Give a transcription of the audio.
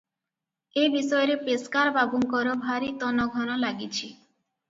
ଏ ବିଷୟରେ ପେସ୍କାର ବାବୁଙ୍କର ଭାରି ତନଘନ ଲାଗିଛି ।